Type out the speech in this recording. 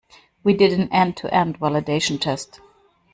We did an end-to-end validation test.